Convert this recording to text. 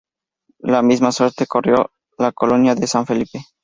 La misma suerte corrió la colonia de San Felipe.